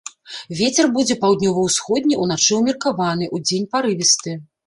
Вецер будзе паўднёва-ўсходні, уначы ўмеркаваны, удзень парывісты.